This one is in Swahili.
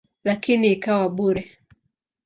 Lakini ikawa bure.